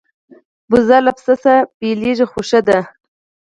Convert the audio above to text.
وزې له پسه بېلېږي خو ښې دي